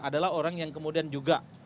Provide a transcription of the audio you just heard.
adalah orang yang kemudian juga